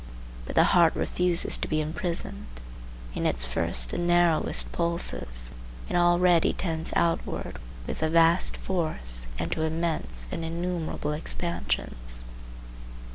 But the heart refuses to be imprisoned; in its first and narrowest pulses, it already tends outward with a vast force and to immense and innumerable expansions.